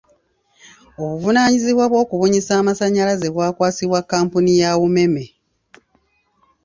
Obuvunaanyizibwa bw’okubunyisa amasannyalaze bwakwasibwa kkampuni ya UMEME.